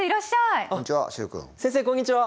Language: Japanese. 先生こんにちは。